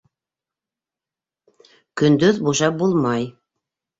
Көндөҙ бушап булмай.